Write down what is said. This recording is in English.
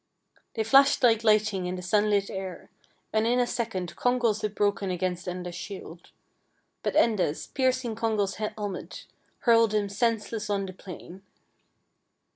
They flashed like lightning in the sun lit air, and in a second Congal's had broken against Euda's shield; but Enda's, piercing Con gal's helmet, hurled him senseless on the plain.